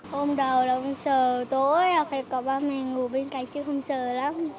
hôm đầu là sợ tối là phải có ba mẹ ngủ bên cạnh chứ không sợ lắm